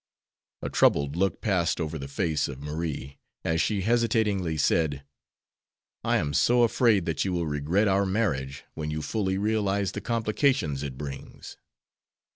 A troubled look passed over the face of Marie, as she hesitatingly said: "I am so afraid that you will regret our marriage when you fully realize the complications it brings."